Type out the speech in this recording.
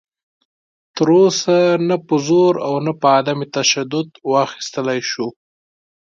تر اوسه نه په زور او نه په عدم تشدد واخیستلی شو